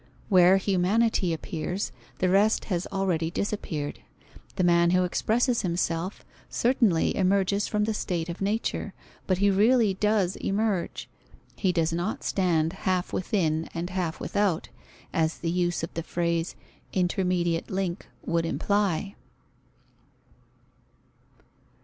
Where humanity appears, the rest has already disappeared; the man who expresses himself, certainly emerges from the state of nature, but he really does emerge: he does not stand half within and half without, as the use of the phrase "intermediate link" would imply.